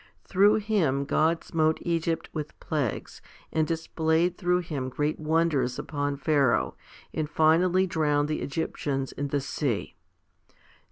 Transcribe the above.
Through him God smote Egypt with plagues, and displayed through him great wonders upon Pharaoh, and finally drowned the Egyptians in the sea.